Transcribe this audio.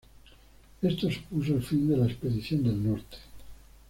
Esto supuso el fin de la Expedición del Norte.